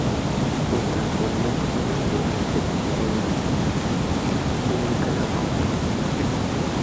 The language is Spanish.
Junto al monumento-fuente, un pebetero y la señera completan la significación de la conmemoración.